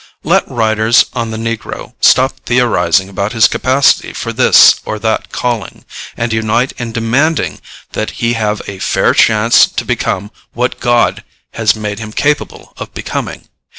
Let writers on the negro stop theorizing about his capacity for this or that calling, and unite in demanding that he have a fair chance to become what God has made him capable of becoming.